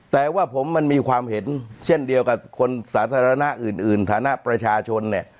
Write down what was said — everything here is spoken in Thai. แต่ว่าผมมันมีความเห็นเช่นเดียวกับคนสาธารณะอื่นฐานะประชาชนเนี่ย